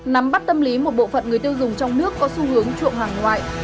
nắm bắt tâm lý một bộ phận người tiêu dùng trong nước có xu hướng trụng hàng ngoại